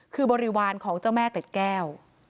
คือบริวารของเจ้าแม่เกล็ดแก้ว